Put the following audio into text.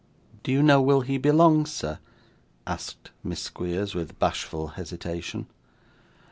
'Do you know will he be long, sir?' asked Miss Squeers, with bashful hesitation.